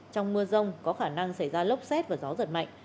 trong mưa rông có khả năng xảy ra lốc xét và gió giật mạnh